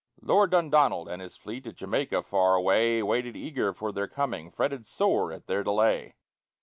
Lord Dundonald and his fleet at Jamaica far away Waited eager for their coming, fretted sore at their delay.